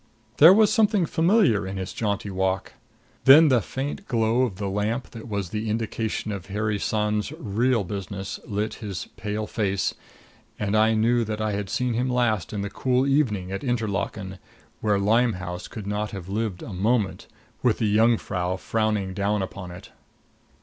There was something familiar in his jaunty walk. Then the faint glow of the lamp that was the indication of Harry San's real business lit his pale face, and I knew that I had seen him last in the cool evening at Interlaken, where Limehouse could not have lived a moment, with the Jungfrau frowning down upon it.